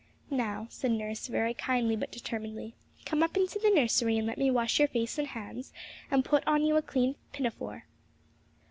'Now,' said nurse very kindly but determinedly, 'come up into the nursery, and let me wash your face and hands and put you on a clean pinafore.'